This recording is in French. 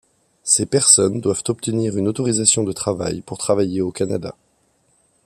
Ces personnes doivent obtenir une autorisation de travail pour travailler au Canada.